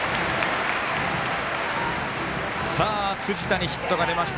辻田にヒットが出ました。